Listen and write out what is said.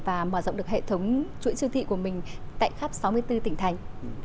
và mở rộng được hệ thống chuỗi siêu thị của mình tại khắp sáu mươi bốn tỉnh thành